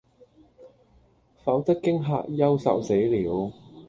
否則驚嚇憂愁死了，